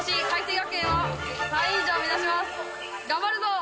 頑張るぞ！